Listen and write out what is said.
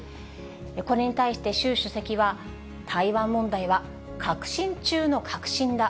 これに対して習主席は、台湾問題は核心中の核心だ。